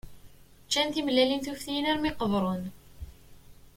Ččan timellalin tuftiyin armi qebren.